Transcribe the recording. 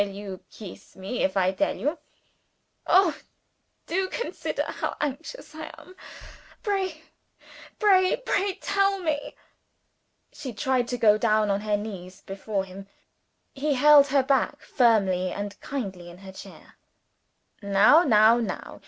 "Will you kees me if I tell you?" "Oh, do consider how anxious I am! Pray, pray, pray tell me!" She tried to go down on her knees before him. He held her back firmly and kindly in her chair. "Now! now!